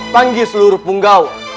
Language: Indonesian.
panggil seluruh punggawa